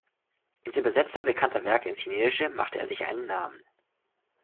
Als Übersetzer bekannter Werke ins Chinesische machte er sich einen Namen.